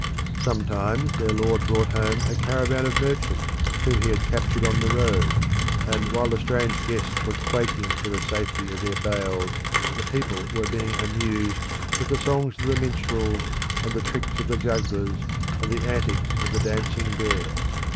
Sometimes their lord brought home a caravan of merchants whom he had captured on the road and while the strange guests were quaking for the safety of their bales, the people were being amused with the songs of the minstrels, and the tricks of the jugglers, and the antics of the dancing bear.